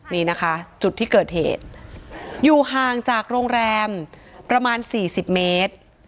นี่นะคะจุดที่เกิดเหตุอยู่ห่างจากโรงแรมประมาณ๔๐เมตร